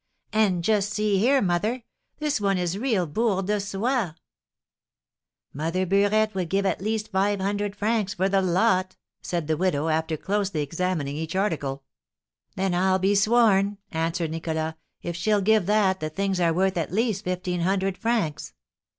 And just see here, mother! This one is real Bourre de Soie." "Mother Burette would give at least five hundred francs for the lot," said the widow, after closely examining each article. "Then, I'll be sworn," answered Nicholas, "if she'll give that, the things are worth at least fifteen hundred francs.